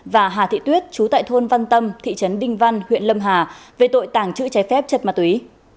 và hà thị tuyết chú tại thôn văn tâm thị trấn đinh văn huyện lâm hà về tội tàng trữ trái phép chất ma túy